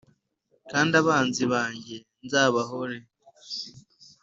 kandi abanzi banjye, nzabahore.